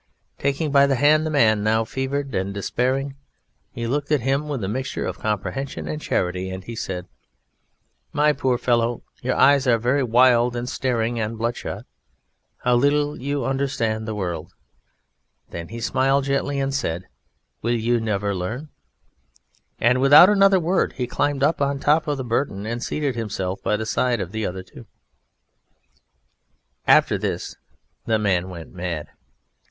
Taking by the hand the Man, now fevered and despairing, he looked at him with a mixture of comprehension and charity, and he said: "My poor fellow, your eyes are very wild and staring and bloodshot. How little you understand the world!" Then he smiled gently, and said, "Will you never learn?" And without another word he climbed up on the top of the burden and seated himself by the side of the other two. After this the man went mad.